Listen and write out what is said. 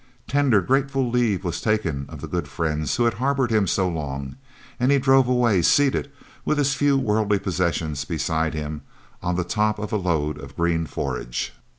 Tender, grateful leave was taken of the good friends who had harboured him so long, and he drove away, seated, with his few worldly possessions beside him, on the top of a load of green forage.